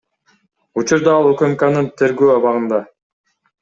Учурда ал УКМКнын тергөө абагында.